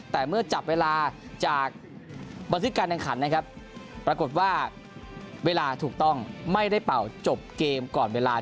แต่เมื่อจับเวลาจากบันทึกการแข่งขันนะครับปรากฏว่าเวลาถูกต้องไม่ได้เป่าจบเกมก่อนเวลา